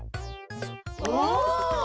お！